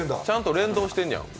ちゃんと連動してるんや。